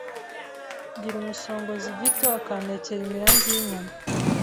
Ngira umusongozi gito Akantekera imiranzi y’inyama